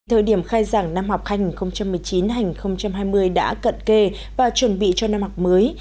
thời điểm khai giảng năm học hai nghìn một mươi chín hai nghìn hai mươi đã cận kề và chuẩn bị cho năm học mới